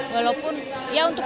walaupun ya untuk